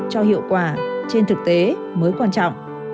cho hiệu quả trên thực tế mới quan trọng